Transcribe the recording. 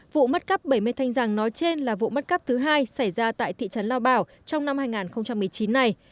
vụ mất cắp bảy mươi thanh rằng nói trên là vụ mất cắp thứ hai xảy ra tại thị trấn lao bảo trong năm hai nghìn một mươi chín này